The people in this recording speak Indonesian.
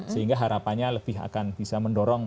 sehingga harapannya lebih akan bisa mendorong